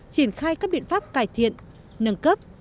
triển khai các biện pháp cải thiện nâng cấp